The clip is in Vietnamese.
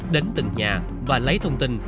đến từng nhà và lấy thông tin